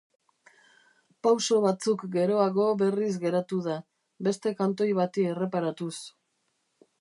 Pauso batzuk geroago berriz geratu da, beste kantoi bati erreparatuz.